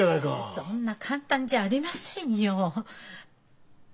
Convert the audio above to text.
そんな簡単じゃありませんよ！